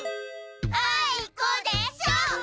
あいこでしょ！